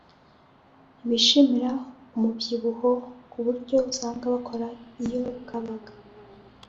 ntibishimira umubyibuho kuburyo usanga bakora iyo bwabaga